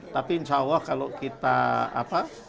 tapi insya allah kalau kita apa